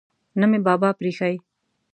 نه مې بابا پریښی.